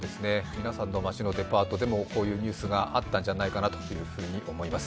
皆さんの街のデパートでもこういうニュースがあったんじゃないかなと思います。